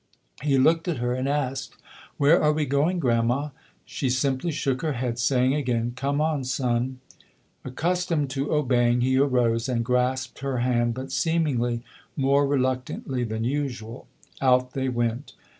He looked at her and asked, "Where are we going, Grandma?" She simply shook her head, saying again, "Come on son". Accustomed to obeying, he arose and grasped her hand but seemingly more reluctantly than usual. Out they went.